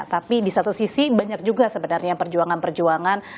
tapi di satu sisi banyak juga sebenarnya perjuangan perjuangan